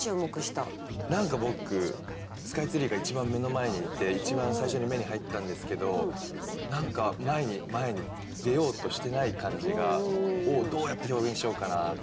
何か僕スカイツリーが一番目の前にいて一番最初に目に入ったんですけど何か前に前に出ようとしてない感じをどうやって表現しようかなって。